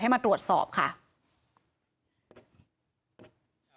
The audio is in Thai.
มาตรวจสอบค่ะ